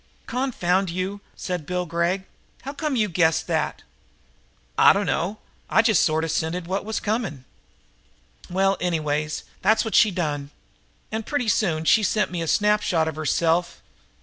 "Confound you," said Bill Gregg. "How come you guessed that?" "I dunno. I just sort of scented what was coming." "Well, anyways, that's what she done. And pretty soon she sent me a snapshot of herself.